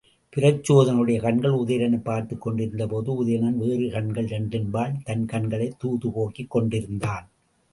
பிரச்சோதனனுடைய கண்கள் உதயணனைப் பார்த்துக்கொண்டு இருந்தபோது உதயணன் வேறு கண்கள் இரண்டின்பால் தன் கண்களைத் தூது போக்கிக் கொண்டிருந்தான்.